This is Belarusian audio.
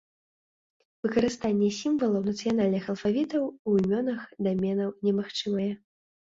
Выкарыстанне сімвалаў нацыянальных алфавітаў у імёнах даменаў немагчымае.